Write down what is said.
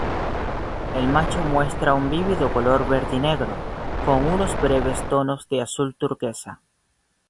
El macho muestra un vívido color verdinegro, con unos breves tonos de azul turquesa.